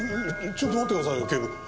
ちょっと待ってくださいよ警部。